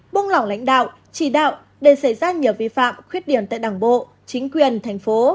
buông lỏng lãnh đạo chỉ đạo để xảy ra nhiều vi phạm khuyết điểm tại đảng bộ chính quyền thành phố